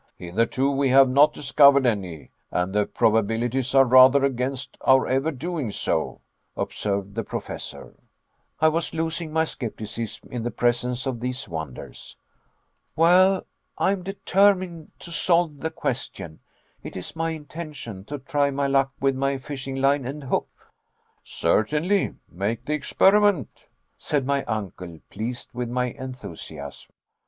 "Hitherto we have not discovered any, and the probabilities are rather against our ever doing so," observed the Professor. I was losing my skepticism in the presence of these wonders. "Well, I am determined to solve the question. It is my intention to try my luck with my fishing line and hook." "Certainly; make the experiment," said my uncle, pleased with my enthusiasm.